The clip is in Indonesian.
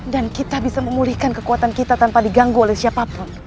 dan kita bisa memulihkan kekuatan kita tanpa diganggu oleh siapapun